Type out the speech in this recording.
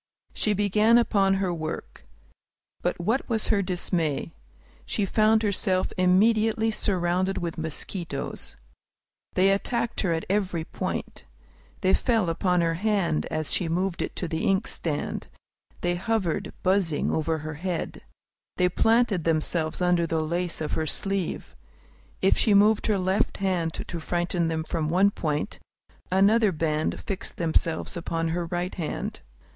She began upon her work. But what was her dismay! She found herself immediately surrounded with mosquitoes. They attacked her at every point. They fell upon her hand as she moved it to the inkstand; they hovered, buzzing, over her head; they planted themselves under the lace of her sleeve. If she moved her left hand to frighten them off from one point, another band fixed themselves upon her right hand.